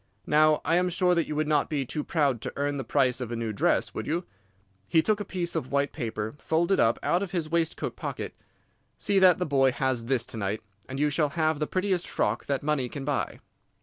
Now I am sure that you would not be too proud to earn the price of a new dress, would you?' He took a piece of white paper folded up out of his waistcoat pocket. 'See that the boy has this to night, and you shall have the prettiest frock that money can buy.